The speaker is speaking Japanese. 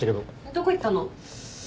どこ行ったの？